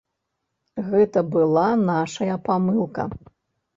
Гэта была нашая памылка.